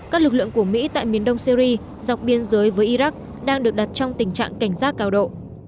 các lực lượng của mỹ tại miền đông syri dọc biên giới với iraq đang được đặt trong tình trạng cảnh giác cao độ